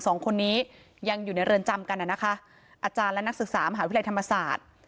สองคนนี้ยังอยู่ในเรือนจำกันน่ะนะคะอาจารย์และนักศึกษามหาวิทยาลัยธรรมศาสตร์